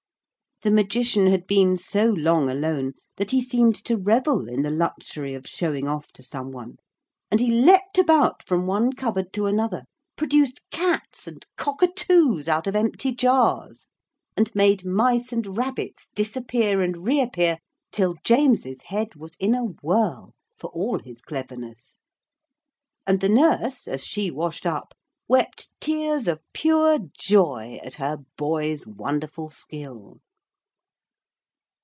The Magician had been so long alone that he seemed to revel in the luxury of showing off to some one, and he leaped about from one cupboard to another, produced cats and cockatoos out of empty jars, and made mice and rabbits disappear and reappear till James's head was in a whirl, for all his cleverness; and the nurse, as she washed up, wept tears of pure joy at her boy's wonderful skill.